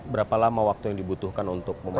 berapa lama waktu yang dibutuhkan untuk membantu